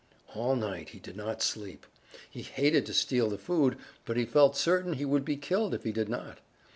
All night he did not sleep. He hated to steal the food, but he felt certain he would be killed if he did not.